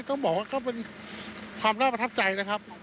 ต้องกับบอกก็ประจำใจนะครับ